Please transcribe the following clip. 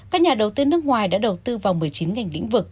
các nhà đầu tư nước ngoài đã đầu tư vào một mươi chín ngành lĩnh vực